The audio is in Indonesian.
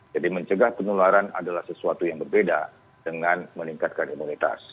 jadi mencegah penularan adalah sesuatu yang berbeda dengan meningkatkan imunitas